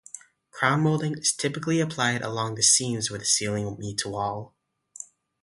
Crown molding is typically applied along the seams where ceiling meets wall.